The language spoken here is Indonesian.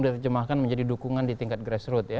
diterjemahkan menjadi dukungan di tingkat grassroot ya